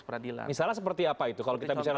peradilan misalnya seperti apa itu kalau kita bicara